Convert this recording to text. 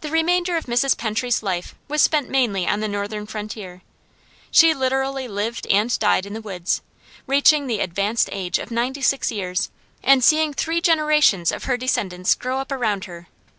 The remainder of Mrs. Pentry's life was spent mainly on the northern frontier. She literally lived and died in the woods, reaching the advanced age of ninety six years, and seeing three generation of her descendants grow up around her.